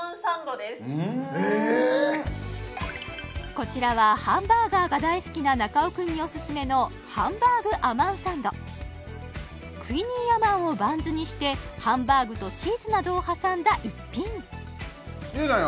こちらはハンバーガーが大好きな中尾くんにオススメのハンバーグアマンサンドクイニーアマンをバンズにしてハンバーグとチーズなどを挟んだ逸品好きだよね